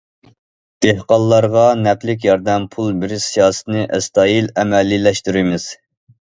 دېھقانلارغا نەپلىك ياردەم پۇل بېرىش سىياسىتىنى ئەستايىدىل ئەمەلىيلەشتۈرىمىز.